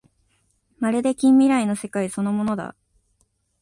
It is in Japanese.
まるで近未来の世界そのものだ